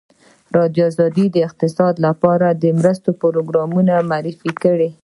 ازادي راډیو د اقتصاد لپاره د مرستو پروګرامونه معرفي کړي.